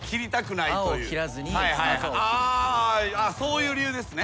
そういう理由ですね。